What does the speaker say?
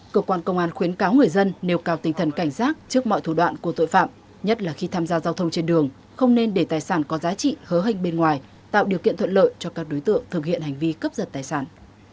các người dân nêu cao tinh thần cảnh giác trước mọi thủ đoạn của tội phạm nhất là khi tham gia giao thông trên đường không nên để tài sản có giá trị hớ hênh bên ngoài tạo điều kiện thuận lợi cho các đối tượng thực hiện hành vi cướp giật tài sản